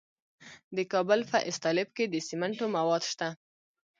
د کابل په استالف کې د سمنټو مواد شته.